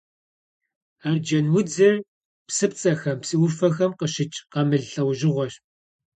Арджэнудзыр псыпцӏэхэм, псы ӏуфэхэм къыщыкӏ къамыл лӏэужьыгъуэщ.